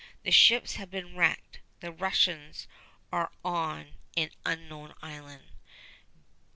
The ships have been wrecked. The Russians are on an unknown island.